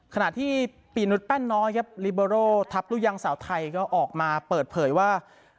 ขณะที่ปีนุษยแป้นน้อยครับลิเบอร์โรทัพลูกยังสาวไทยก็ออกมาเปิดเผยว่า